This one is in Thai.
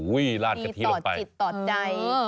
มีต่อจิตต่อใจ